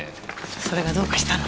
それがどうかしたの？